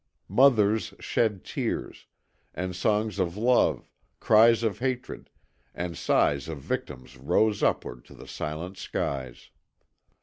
Mothers shed tears, and songs of love, cries of hatred, and sighs of victims rose upward to the silent skies.